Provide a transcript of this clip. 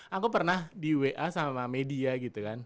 aku pernah di wa sama media gitu kan